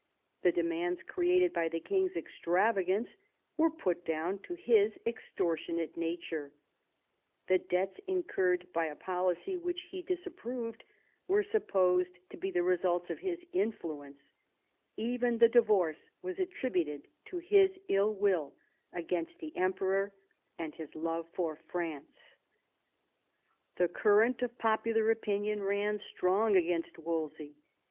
The demands created by the king's extravagance were put down to his extortionate nature ; the debts incurred by a policy which he disapproved were supposed to be the results of his influence ; even the divorce was attributed to his ill will against the Emperor and his love for France. The current of popular opinion ran strong against Wolsey.